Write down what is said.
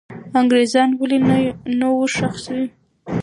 انګریزان ولې نه وو ښخ سوي؟